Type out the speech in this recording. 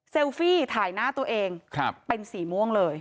ฟี่ถ่ายหน้าตัวเองเป็นสีม่วงเลย